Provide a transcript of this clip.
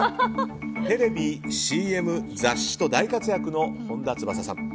テレビ、ＣＭ、雑誌と大活躍の本田翼さん。